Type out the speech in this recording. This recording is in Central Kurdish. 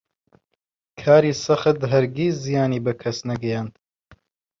کاری سەخت هەرگیز زیانی بە کەس نەگەیاند.